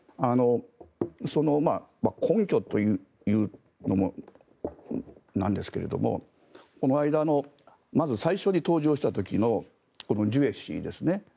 その根拠というのもなんですけれどもこの間の、最初に登場した時のジュエ氏ですね。